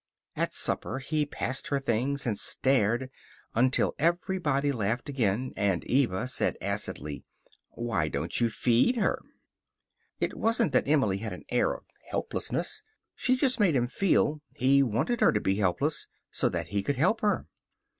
At supper he passed her things, and stared, until everybody laughed again, and Eva said acidly, "Why don't you feed her?" It wasn't that Emily had an air of helplessness. She just made him feel he wanted her to be helpless, so that he could help her.